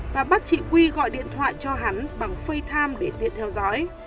và bắt chị quy gọi điện thoại cho hắn bằng facetime để tiện theo dõi